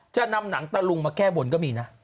จะนำหนังตะลุงมาแก้บนก็มีนะ